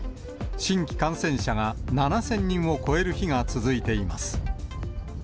新規感染者が７０００人を超える日が続いています。